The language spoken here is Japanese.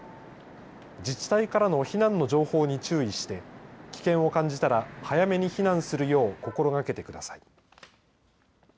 自治体からの避難の情報に注意して危険を感じたら早めに避難するよう心がけてください。